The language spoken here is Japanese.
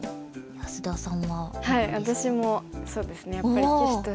安田さん